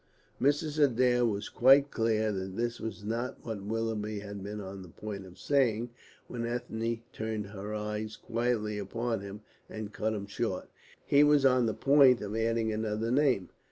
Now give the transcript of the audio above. Mrs. Adair was quite clear that this was not what Willoughby had been on the point of saying when Ethne turned her eyes quietly upon him and cut him short. He was on the point of adding another name.